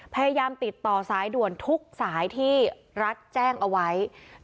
พยายามติดต่อสายด่วนทุกสายที่รัฐแจ้งเอาไว้